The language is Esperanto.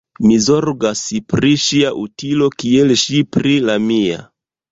Mi zorgas pri ŝia utilo kiel ŝi pri la mia.